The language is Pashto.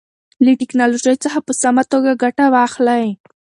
له ټیکنالوژۍ څخه په سمه توګه ګټه واخلئ.